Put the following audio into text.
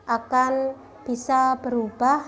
akan bisa berubah